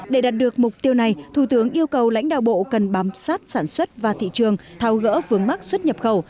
để đạt được mục tiêu này thủ tướng yêu cầu lãnh đạo bộ cần bám sát sản xuất và thị trường thao gỡ vướng mắt xuất nhập khẩu